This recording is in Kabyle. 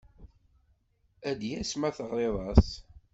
Ad d-yas ma teɣriḍ-as.